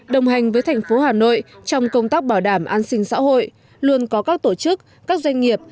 đồng hành với thành phố hà nội trong công tác bảo đảm an sinh xã hội luôn có các tổ chức các doanh nghiệp